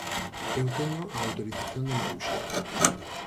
Eu teño a autorización de Maruxa.